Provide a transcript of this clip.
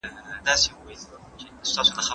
زه هره ورځ د کتابتون لپاره کار کوم!!